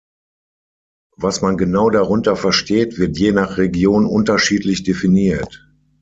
Was man genau darunter versteht, wird je nach Region unterschiedlich definiert.